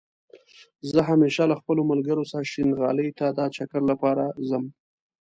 زه همېشه له خپلو ملګرو سره شينغالى ته دا چکر لپاره ځم